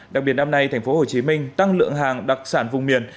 đặc biệt năm nay tp hcm tăng lượng hàng đặc sản vùng miền